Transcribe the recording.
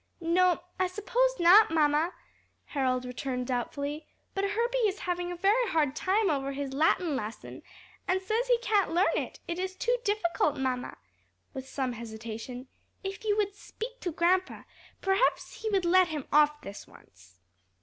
"No, I suppose not, mamma," Harold returned doubtfully, "but Herbie is having a very hard time over his Latin lesson, and says he can't learn it: it is too difficult. Mamma," with some hesitation, "if you would speak to grandpa perhaps he would let him off this once."